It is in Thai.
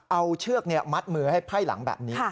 เอาเชือกมัดมือให้ไพ่หลังแบบนี้